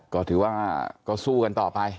ก็ถือว่าก็สู้กันต่อไป